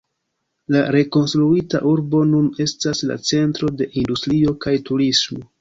La rekonstruita urbo nun estas la centro de industrio kaj turismo.